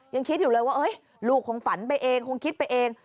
ยังคิดอยู่เลยว่าลูกคงฝันไปเองคงคิดไปเอง